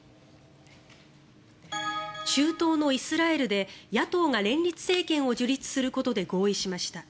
中東のイスラエルで野党が連立政権を樹立することで合意しました。